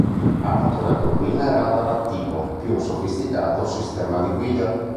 Ha motore a turbina e radar attivo, più un sofisticato sistema di guida.